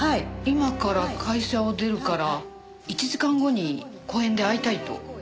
今から会社を出るから１時間後に公園で会いたいと。